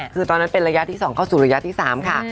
คือตอนนั้นเป็นระยะที่๒เข้าสู่ระยะที่๓ค่ะ